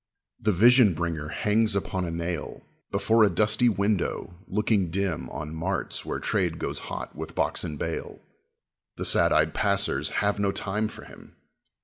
The vision bringer hangs upon a nail Before a dusty window, looking dim On marts where trade goes hot with box and bale; The sad eyed passers have no time for him.